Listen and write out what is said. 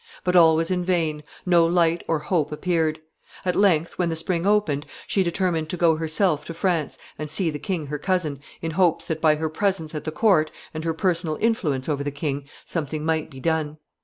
But all was in vain; no light or hope appeared. At length, when the spring opened, she determined to go herself to France and see the king her cousin, in hopes that, by her presence at the court, and her personal influence over the king, something might be done.